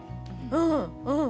うんうん。